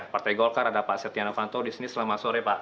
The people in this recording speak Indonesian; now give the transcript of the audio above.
partai golongan karya ada pak setia navanto di sini selama sore pak